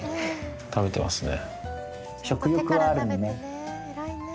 食べてますね。